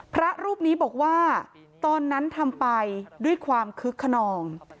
พระรูปนี้บอกว่าตอนนั้นทำไปด้วยความคึกขนอง